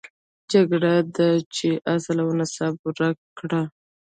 جګړه ده چې اصل او نسب یې ورک کړ.